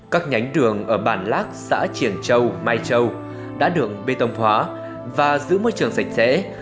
các nhánh đường ở bản lác xã triển châu mai châu đã được bê tông hóa và giữ môi trường sạch sẽ